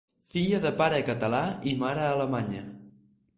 Filla de pare català i mare alemanya.